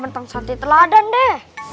banteng santri teladan deh